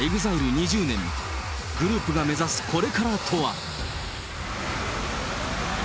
２０年、グループが目指すこれからとは。